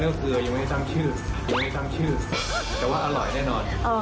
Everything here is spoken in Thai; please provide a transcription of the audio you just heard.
นั่นก็คือยังไม่ตั้งชื่อยังไม่ตั้งชื่อแต่ว่าอร่อยแน่นอน